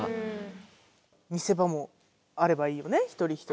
見せ場もあればいいよね一人一人。